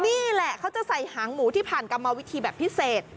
นี่แหละเขาจะใส่หางหมูที่ผ่านกรรมวิธีแบบพิเศษ